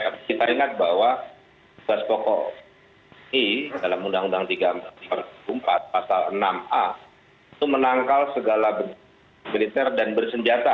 kita ingat bahwa tugas pokok e dalam undang undang tiga puluh empat pasal enam a itu menangkal segala militer dan bersenjata